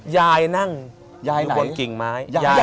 ยายนั่งยายอยู่บนกิ่งไม้